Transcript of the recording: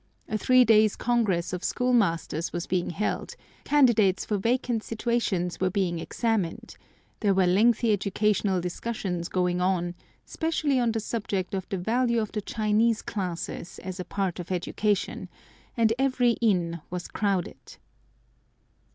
A three days' congress of schoolmasters was being held; candidates for vacant situations were being examined; there were lengthy educational discussions going on, specially on the subject of the value of the Chinese classics as a part of education; and every inn was crowded.